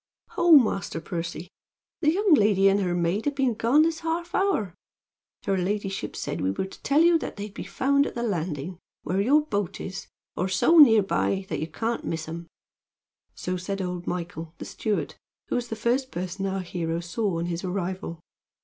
"Ho, Master Percy! the young lady and her maid have been gone this half hour. Her ladyship said we were to tell you that they'd be found at the landing, where your boat is, or so near by that you can't miss 'em." So said old Michael, the steward, who was the first person our hero saw on his arrival.